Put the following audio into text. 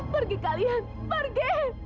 pergi kalian pergi